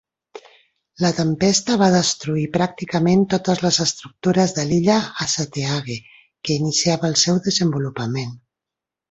La tempesta va destruir pràcticament totes les estructures de l'illa Assateague, que iniciava el seu desenvolupament.